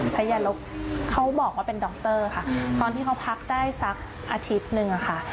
ชายลบเขาบอกว่าเป็นดรค่ะตอนที่เขาพักได้สักอาทิตย์หนึ่งอะค่ะ